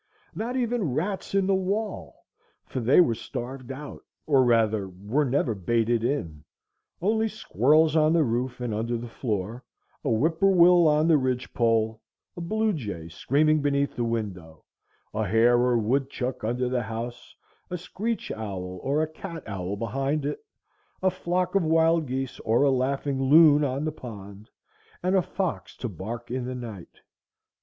Not even rats in the wall, for they were starved out, or rather were never baited in,—only squirrels on the roof and under the floor, a whippoorwill on the ridge pole, a blue jay screaming beneath the window, a hare or woodchuck under the house, a screech owl or a cat owl behind it, a flock of wild geese or a laughing loon on the pond, and a fox to bark in the night.